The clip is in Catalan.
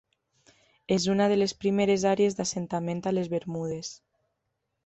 És una de les primeres àrees d'assentament a les Bermudes.